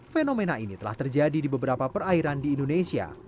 fenomena ini telah terjadi di beberapa perairan di indonesia